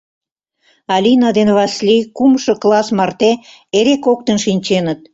Алина ден Васлий кумшо класс марте эре коктын шинченыт.